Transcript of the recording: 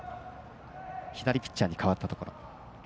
左ピッチャーに代わったところ。